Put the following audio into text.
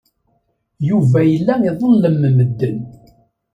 Yuba yella iḍellem medden.